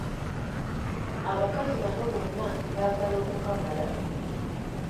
Abakazi bano bonna mbaagala okukamala.